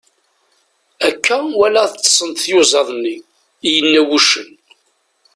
Akka wala ad ṭṭsent tyuzaḍ-nni, i yenna wuccen.